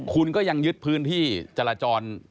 คุณก็ยังยึดพื้นที่จราจร